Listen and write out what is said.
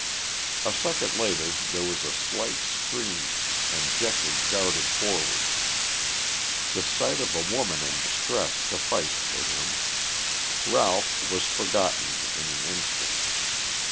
A second later there was a slight scream and Geoffrey darted forward. The sight of a woman in distress sufficed for him; Ralph was forgotten in an instant.